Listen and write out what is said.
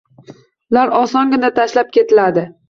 Ular osongina tashlab ketiladi.